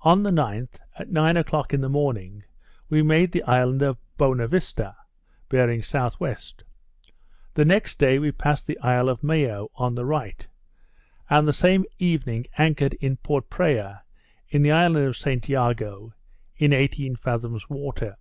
On the 9th, at nine o'clock in the morning, we made the island of Bonavista, bearing S.W. The next day, we passed the isle of Mayo on our right; and the same evening anchored in Port Praya in the island of St Jago, in eighteen fathom water.